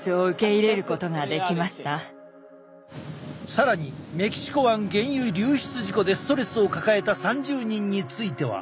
更にメキシコ湾原油流出事故でストレスを抱えた３０人については。